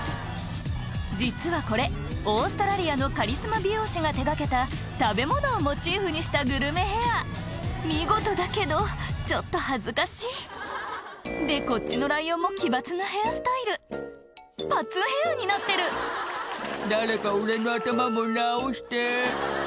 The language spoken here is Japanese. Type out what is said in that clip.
実はこれオーストラリアのカリスマ美容師が手掛けた食べ物をモチーフにしたグルメヘア見事だけどちょっと恥ずかしいでこっちのライオンも奇抜なヘアスタイルパッツンヘアになってる「誰か俺の頭も直して」